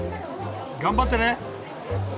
頑張ってね。